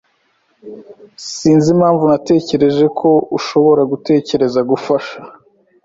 [S] Sinzi impamvu natekereje ko ushobora gutekereza gufasha.